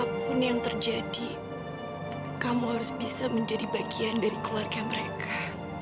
apapun yang terjadi kamu harus bisa menjadi bagian dari keluarga mereka